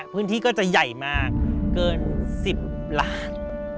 พื้นที่ก็จะใหญ่มากเกิน๑๐ล้าน